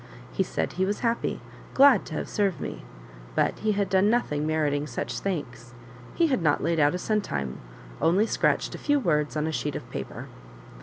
He said he was happy glad to have served me; but he had done nothing meriting such thanks. He had not laid out a centime only scratched a few words on a sheet of paper.